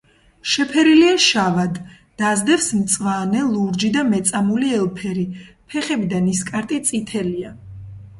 შეფერილია შავად, დასდევს მწვანე, ლურჯი და მეწამული ელფერი; ფეხები და ნისკარტი წითელია.